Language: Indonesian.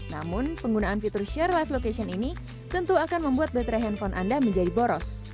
namun penggunaan fitur share live location ini tentu akan membuat baterai handphone anda menjadi boros